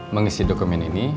mengisi dokumen ini